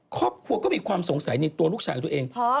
ครอบครัวก็มีความสงสัยในตัวลูกชายตัวเอง